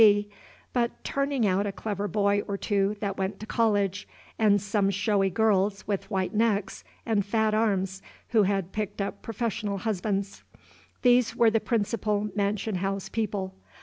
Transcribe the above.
C., but turning out a clever boy or two that went to college; and some showy girls with white necks and fat arms who had picked up professional husbands: these were the principal mansion house people.